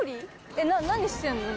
何してんだ？